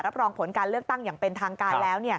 รองผลการเลือกตั้งอย่างเป็นทางการแล้ว